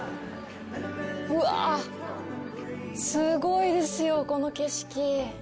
うわあ、すごいですよ、この景色。